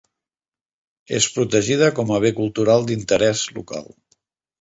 És protegida com a bé cultural d'interès local.